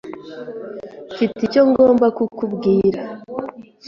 Mfite icyo ngomba kukubwira.